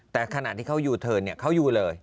แต่ขนาดที่เขาอยู่เทิร์นเนี่ยเขาอยู่เลย